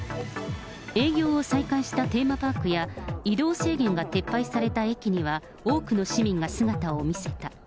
営業を再開したテーマパークや移動制限が撤廃された駅には、多くの市民が姿を見せた。